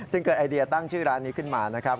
เกิดไอเดียตั้งชื่อร้านนี้ขึ้นมานะครับ